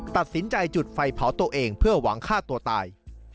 ตัดสินใจจุดไฟเผาตัวเองเพื่อหวังฆ่าตัวตาย